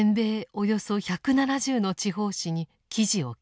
およそ１７０の地方紙に記事を掲載。